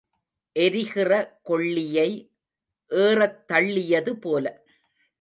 எரிகிற கொள்ளியை ஏறத் தள்ளியது போல.